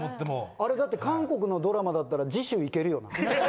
あれだって韓国のドラマだったら次週いけるよな。